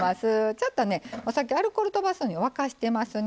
ちょっとねお酒アルコールとばすのに沸かしてますね。